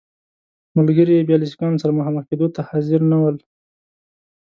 ملګري یې بیا له سیکهانو سره مخامخ کېدو ته حاضر نه ول.